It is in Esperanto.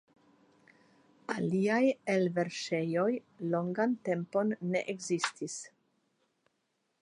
Aliaj elverŝejoj longan tempon ne ekzsits.